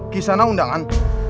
ke sana undangan